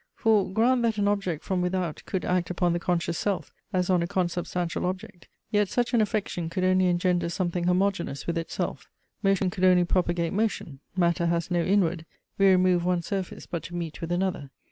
For, grant that an object from without could act upon the conscious self, as on a consubstantial object; yet such an affection could only engender something homogeneous with itself. Motion could only propagate motion. Matter has no Inward. We remove one surface, but to meet with another.